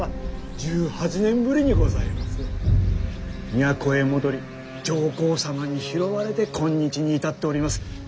都へ戻り上皇様に拾われて今日に至っております。